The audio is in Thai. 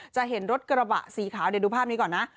จะเห็นรถกระบะสีขาวเดี๋ยวดูภาพนี้ก่อนนะ